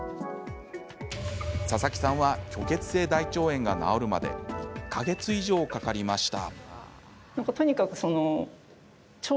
佐々木さんは虚血性大腸炎が治るまで１か月以上かかりました。